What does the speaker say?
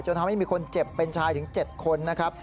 ทำให้มีคนเจ็บเป็นชายถึง๗คนนะครับ